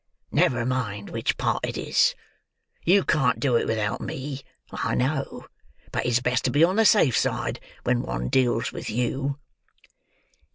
"Never mind which part it is. You can't do it without me, I know; but it's best to be on the safe side when one deals with you."